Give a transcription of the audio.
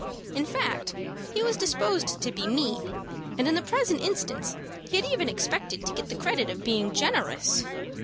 In fact he was disposed to be mean, and in the present instance he had even expected to get the credit of being generous.